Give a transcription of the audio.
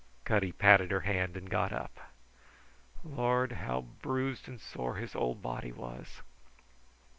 Cutty patted her hand and got up. Lord, how bruised and sore his old body was!...